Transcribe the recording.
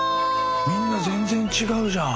みんな全然違うじゃん！